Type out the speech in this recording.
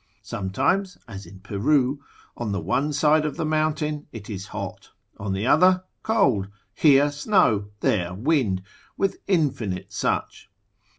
Sometimes (as in Peru) on the one side of the mountains it is hot, on the other cold, here snow, there wind, with infinite such.